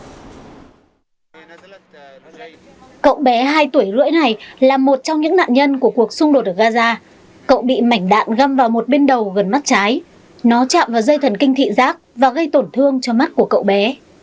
cậu bé hai tuổi rưỡi này là một trong những nạn nhân của cuộc xung đột ở gaza cậu bị mảnh đạn găm vào một bên đầu gần mắt trái nó chạm vào dây thần kinh thị giác và gây tổn thương cho mắt của cậu bé